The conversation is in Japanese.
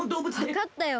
わかったよ。